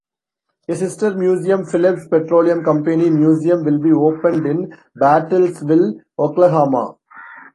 A sister museum, Phillips Petroleum Company Museum, will be opened in Bartlesville, Oklahoma.